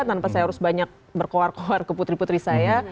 tanpa saya harus banyak berkoar kohar ke putri putri saya